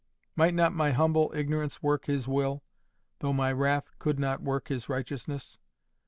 —Might not my humble ignorance work His will, though my wrath could not work His righteousness?